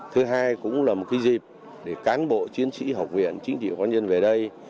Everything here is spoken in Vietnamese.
thứ hai cũng là một cái dịp để cán bộ chiến sĩ học viện chính trị báo nhân về đây